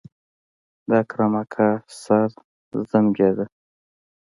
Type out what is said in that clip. د اکرم اکا سر زانګېده.